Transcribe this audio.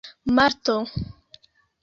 marto